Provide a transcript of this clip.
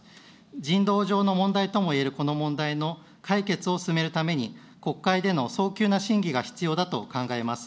人道上の問題ともいえるこの問題の解決を進めるために、国会での早急な審議が必要だと考えます。